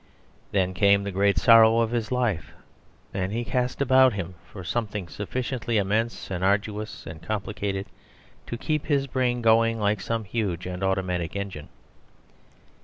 Then came the great sorrow of his life, and he cast about him for something sufficiently immense and arduous and complicated to keep his brain going like some huge and automatic engine.